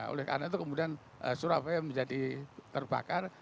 oleh karena itu kemudian surabaya menjadi terbakar